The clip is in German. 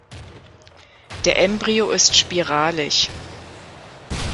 Der Embryo ist spiralig.